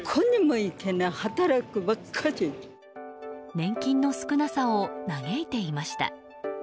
年金の少なさを嘆いていました。